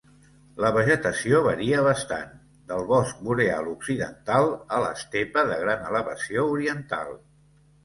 La vegetació varia bastant, del bosc boreal occidental a l"estepa de gran elevació oriental.